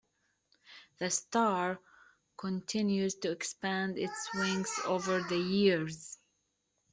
"The Star" continues to expand its wings over the years.